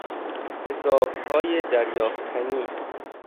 حسابهای دریافتنی